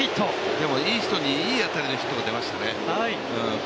でもいい人にいい当たりのヒットが出ましたね。